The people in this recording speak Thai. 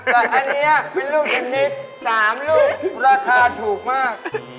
แต่อันนี้เป็นลูกชนิด๓ลูกราคาถูกมาก